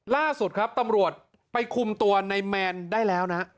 ล่าสุดครับตำรวจไปคุมตัวในแมนได้แล้วนะ